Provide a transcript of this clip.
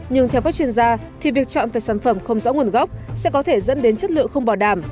nhưng theo các chuyên gia thì việc chọn về sản phẩm không rõ nguồn gốc sẽ có thể dẫn đến chất lượng không bảo đảm